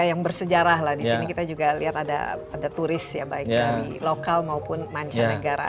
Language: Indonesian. yang bersejarah lah di sini kita juga lihat ada turis ya baik dari lokal maupun mancanegara